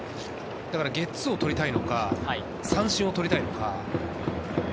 だからゲッツーを取りたいのか、三振を取りたいのか。